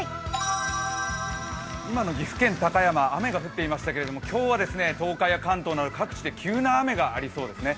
今の岐阜県高山雨が降っていましたけれども今日は、東海や関東など各地で急な雨がありそうですね。